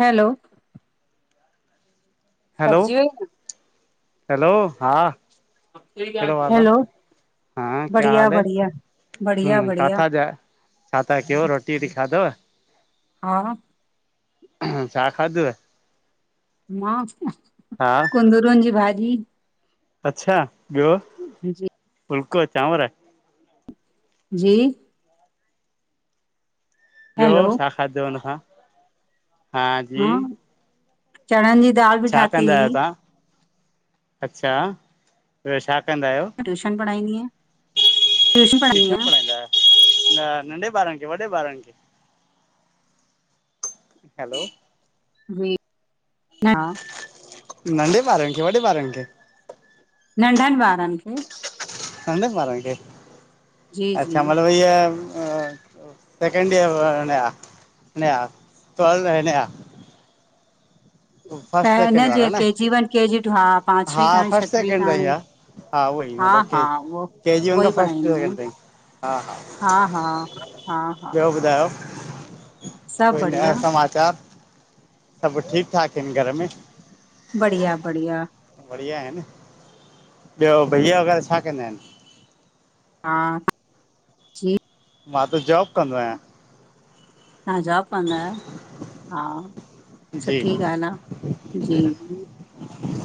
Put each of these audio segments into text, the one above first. हलो। Hello कटजी वई hello हा। कहिड़ो हाल आ? हलो हा क्या बढ़िया हाल है? बढ़िया बढ़िया हम्म बढ़िया। काथां जा छा था कयो, रोटी वटी खाधव? हा। छा खाधोव? मां, हा कुंदुरन जी भाॼी। अच्छा, ॿियो? जी। फुल्को, चांवर? जी? ॿियो हैलो छा खादो हुन सां? हा जी। चणन जी दाल। बि छा ठाती कंदा आहियो हुई तां? अच्छा, ॿियो छा कंदा आहियो? ट्यूशन पढ़ाईंदीया। ट्यूशन पढ़ाईन्दा आयो, न नंढे ॿारन खे वॾे ॿारन खे? हैलो। बिना। नंढे ॿारन खे, वॾे ॿारन खे? नंढनि ॿारनि खे नंढनि ॿारनि खे, जी जी अच्छा मतिलबु ईय अ सेकेंड इयर [unintelligible] प सेकेंड न जे वारा केजी वन, केजी टू हा पांचवी हा ताणी फस्ट छठवी सेकेंड ता ही ताणी आ, हा उवो ई मतिलबु हा के उहो केजी वन उहो खा ई फस्ट पढ़ाईंदी आहियां सैकेंड ताईं, हा हा हा हा ॿियो ॿुधायो? सभु कोई नया बढ़िया समाचार सभु ठीकु-ठाक अहिन घर में? बढ़िया बढ़िया बढ़िया आहिनि, ॿियो भैया वग़ैरह छा कंदा आहिन? हा जी मां तो जॉब कंदो आहियां। तहां जॉब कंदा आयो? हा, जी सुठी ॻाल्हि आ, जी जी।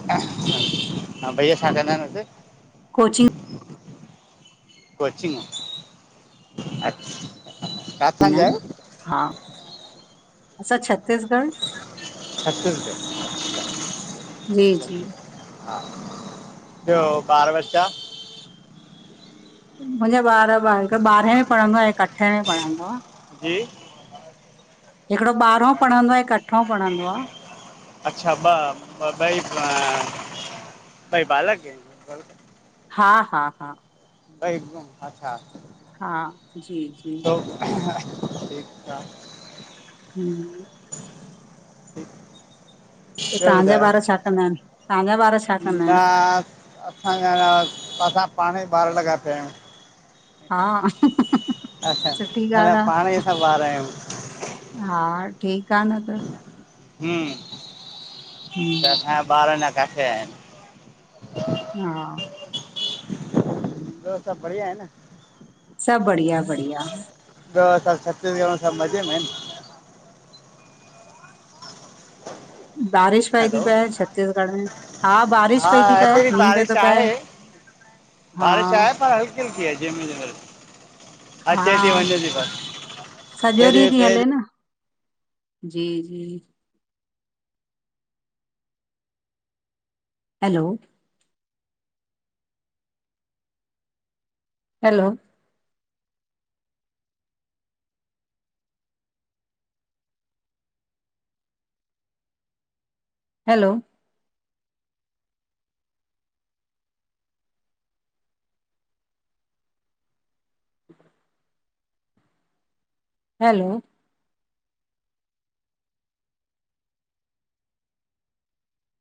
हा, भईया छा कंदा आहिनि हुते? कोचिंग कोचिंग, अच्छा काथ? न हा, असां छत्तिसगढ़। छत्तिसगढ अच्छा छत्तीस जी जी हा, ॿियो हा ॿारु बच्चा? मुंहिंजा ॿार ॿ हिकु ॿारहें में पढ़ंदो आ, हिकु अठे में पढ़ंदो आ। जी हिकड़ो ॿारहो पढ़ंदो आ हिकु अठों पढ़ंदो आ अच्छा ॿ, ॿई ब ॿई बालक इन? हा हा हा ॿई अच्छा हा, जी जी तो ठीकु-ठाक हूं म ठीकु पो तहांजा ॿारु छा कंदा आहिनि, तहांजा ॿारु छा कंदा न आहिनि असांजा न, असां पाणई ॿारु लॻा पिया आहियूं हा, सुठी ॻाल्हि आ। ॿारु आयूं। हा ठीकु आ न त हूं त हम्म असां जा ॿार अञां काथे आया आहिन। हा ॿियो सभु बढ़िया आये न? सभु बढ़िया बढ़िया। ॿियो सभु छत्तीसगढ में सभु मज़े में? [inaudible] बारिश पई ती हैलो पए छत्तीसगढ़ में, हा बारिश हा पई ती पए हिते बि मींहुं पयो बारिश तो पए। आहे [inaudible] हा बारिश आय पर हल्की हल्की आए जेमे तेमल। हा सॼो केॾी ॾींहुं महिल ती तेज़ हले न। जी जी। हैलो! Hello hello hello